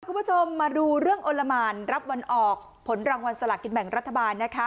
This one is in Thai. คุณผู้ชมมาดูเรื่องอลละหมานรับวันออกผลรางวัลสลากินแบ่งรัฐบาลนะคะ